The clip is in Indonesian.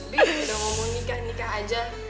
bi udah ngomong nikah nikah aja